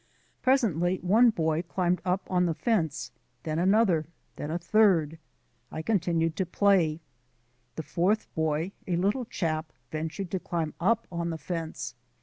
Presently one boy climbed up on the fence, then another, then a third. I continued to play. The fourth boy, a little chap, ventured to climb up on the fence.